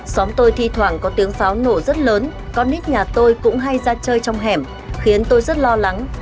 xóm tôi thi thoảng có tiếng pháo nổ rất lớn con nít nhà tôi cũng hay ra chơi trong hẻm khiến tôi rất lo lắng